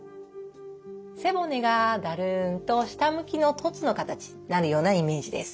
背骨がだるんと下向きの凸の形になるようなイメージです。